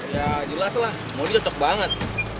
ya jelas lah mobil cocok banget